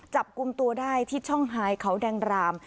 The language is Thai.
จับกลุ่มตัวได้ที่ช่องไฮเขาแดงราม